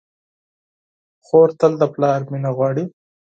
خور تل د پلار مینه غواړي.